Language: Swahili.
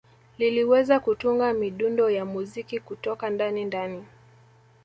Liliweza kutunga midundo ya muziki kutoka ndanindani